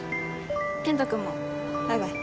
健人君もバイバイ。